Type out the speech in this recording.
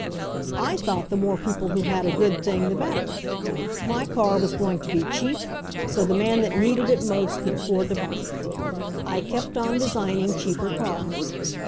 "I thought the more people who had a good thing the better. My car was going to be cheap, so the man that needed it most could afford to buy it. I kept on designing cheaper cars.